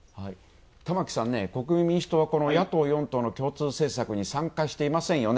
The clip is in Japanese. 玉木さん、国民民主党は野党４党の共通政策に参加していませんよね。